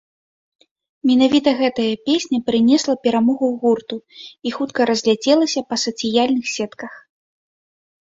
Менавіта гэтая песня прынесла перамогу гурту і хутка разляцелася па сацыяльных сетках.